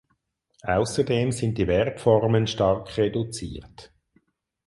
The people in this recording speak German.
Außerdem sind die Verbformen stark reduziert.